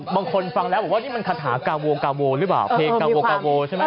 บางคนฟังแล้วบอกว่านี่มันคาถากาโวกาโวหรือเปล่าเพลงกาโวกาโวใช่ไหม